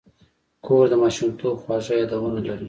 کور د ماشومتوب خواږه یادونه لري.